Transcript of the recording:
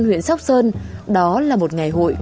huyện sóc sơn đó là một ngày hội